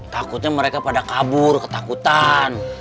takutnya mereka pada kabur ketakutan